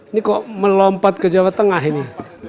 ini kok melompat ke jawa tengah ini